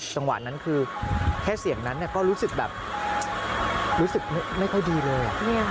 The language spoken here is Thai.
จังหวะนั้นคือแค่เสียงนั้นก็รู้สึกแบบรู้สึกไม่ค่อยดีเลย